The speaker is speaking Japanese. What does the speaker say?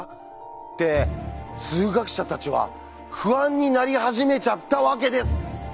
って数学者たちは不安になり始めちゃったわけです。